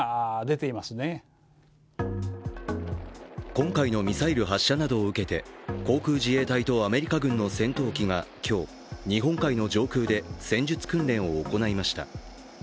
今回のミサイル発射などを受けて、航空自衛隊とアメリカ軍の戦闘機が今日、日本海の上空で戦術訓練を行いました。